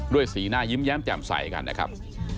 สีหน้ายิ้มแย้มแจ่มใสกันนะครับ